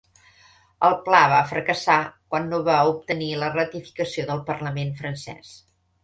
El pla va fracassar quan no va obtenir la ratificació al Parlament Francès.